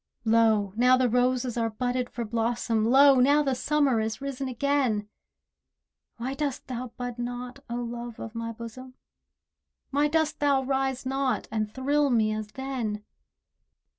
Lo! now the roses are budded for blossom— Lo! now the Summer is risen again. Why dost thou bud not, O Love of my bosom? Why dost thou rise not, and thrill me as then?